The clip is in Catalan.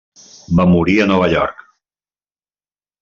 Va morir a Nova York.